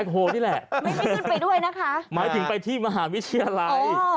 หมายถึงไปที่มหาวิทยาลัย